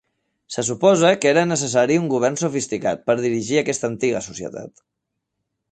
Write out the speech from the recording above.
Se suposa que era necessari un govern sofisticat per dirigir aquesta antiga societat.